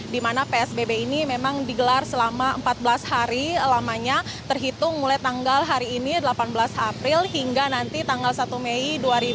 di mana psbb ini memang digelar selama empat belas hari lamanya terhitung mulai tanggal hari ini delapan belas april hingga nanti tanggal satu mei dua ribu dua puluh